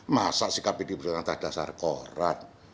masa sikapnya diperjuangan tak dasar koran